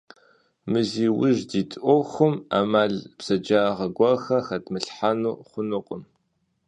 Мы зи ужь дит Ӏуэхум Ӏэмал, бзэджагъэ гуэрхэр хэдмылъхьэу хъунукъым.